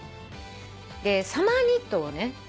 でサマーニットをね